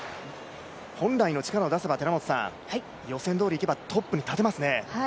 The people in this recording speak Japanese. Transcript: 本来の力を出せば予選どおりにいけばトップに立てますね。